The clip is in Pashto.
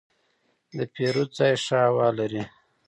د پیرود ځای ښه هوا لري.